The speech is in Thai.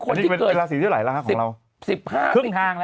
อันนี้เป็นราศีที่ไหนแล้วครับของเรา